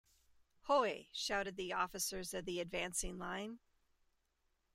‘Hoi!’ shouted the officers of the advancing line.